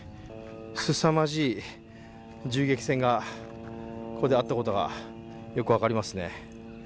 すさまじい銃撃戦がここであったことがよく分かりますね。